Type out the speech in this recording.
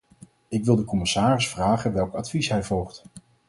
Ik wil de commissaris vragen welk advies hij volgt.